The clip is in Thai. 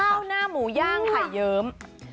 ข้าวหน้าหมูย่างไข่เยิ้ม